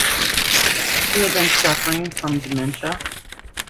He had been suffering from dementia.